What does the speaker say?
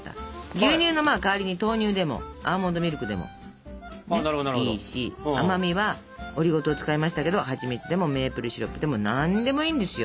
牛乳の代わりに豆乳でもアーモンドミルクでもいいし甘みはオリゴ糖を使いましたけどはちみつでもメープルシロップでも何でもいいんですよ。